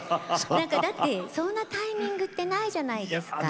だって、そんなタイミングってないじゃないですか。